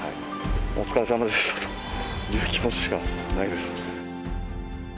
お疲れさまでしたという気持ちしかないです。